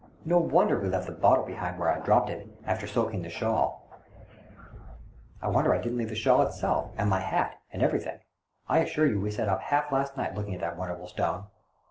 No wonder we left the bottle behind where I'd dropped it, after soaking the shawl — I wonder I didn't leave the shawl itself, and my hat, and everything. I assure you we sat up half last night looking at that wonderful stone